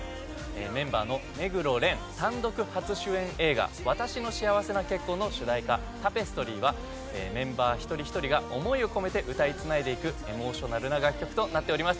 メンバーの目黒蓮単独初主演映画『わたしの幸せな結婚』の主題歌『タペストリー』はメンバー１人１人が思いを込めて歌い繋いでいくエモーショナルな楽曲となっております。